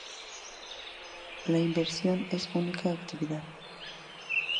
La inversión es su única actividad.